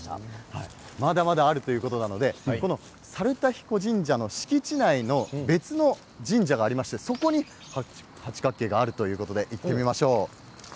まだまだ、あるということなので猿田彦神社の敷地内に別の神社がありましてそこに八角形があるということで行ってみましょう。